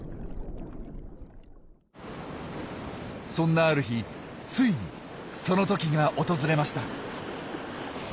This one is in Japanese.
そんなある日ついにその時が訪れました。